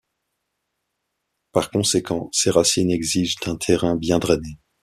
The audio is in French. Par conséquent, ses racines exigent un terrain bien drainé.